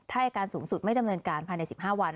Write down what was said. ถ้าอายการสูงสุดไม่ดำเนินการภายใน๑๕วัน